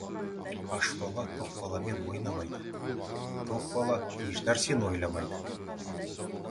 Аш бала тоқ баламен ойнамайды, тоқ бала ешнәрсені ойламайды.